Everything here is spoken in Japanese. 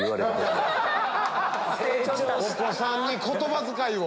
お子さんに言葉遣いを。